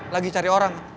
lagi cari orang